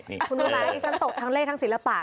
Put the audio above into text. คุณรู้ไหมดิฉันตกทั้งเลขทั้งศิลปะ